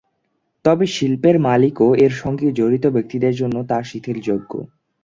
তবে শিল্পের মালিক ও এর সঙ্গে জড়িত ব্যক্তিদের জন্য তা শিথিলযোগ্য।